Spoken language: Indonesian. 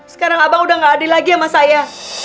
sekarang abang udah gak adil lagi sama saya